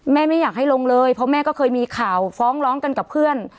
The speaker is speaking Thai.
ไม่อยากให้ลงเลยเพราะแม่ก็เคยมีข่าวฟ้องร้องกันกับเพื่อน